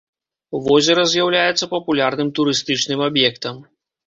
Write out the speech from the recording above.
Возера з'яўляецца папулярным турыстычным аб'ектам.